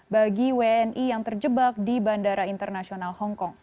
bagi wni yang terjebak di bandara internasional hongkong